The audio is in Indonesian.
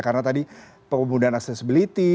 karena tadi pembunuhan accessibility